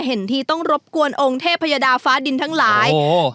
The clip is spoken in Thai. เห็นทีต้องรบกวนองค์เทพยดาฟ้าดินทั้งหลายโอ้